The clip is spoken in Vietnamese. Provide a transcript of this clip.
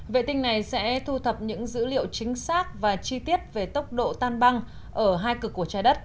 vệ tinh này sẽ thu thập những dữ liệu chính xác và chi tiết về tốc độ tan băng ở hai cực của trái đất